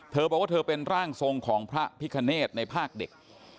เธอบอกว่าเธอเป็นร่างทรงของพระพิคเนธในภาคเด็ก